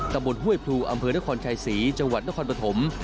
ตำบลห้วยพลูอำเภอนครชัยศรีจังหวัดนครปฐม